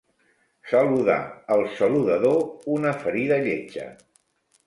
Saludar el saludador una ferida lletja.